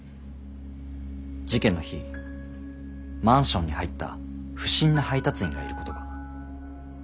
事件の日マンションに入った不審な配達員がいることが。